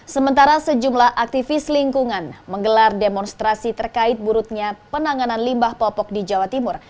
sementara sejumlah aktivis lingkungan menggelar demonstrasi terkait buruknya penanganan limbah popok di jawa timur